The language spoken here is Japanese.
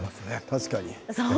確かに。